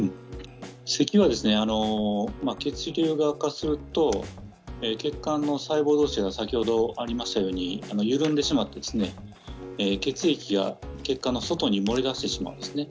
せきは血流が悪化すると血管の細胞同士が先ほどありましたように緩んでしまって血液が血管の外に漏れ出してしまうんですね。